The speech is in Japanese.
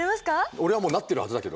俺はもうなってるはずだけど。